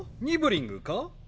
ニブリングか？